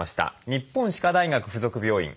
日本歯科大学附属病院